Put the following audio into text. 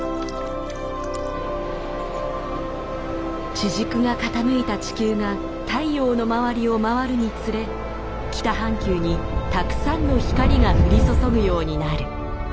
地軸が傾いた地球が太陽の周りを回るにつれ北半球にたくさんの光が降り注ぐようになる。